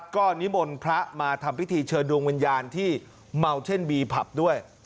ก็นิมนต์พระมาทำพิธีเชิญดวงวิญญาณที่เมาเช่นบีผับด้วย